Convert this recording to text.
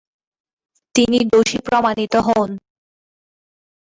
তিনি দোষী প্রমাণিত হন।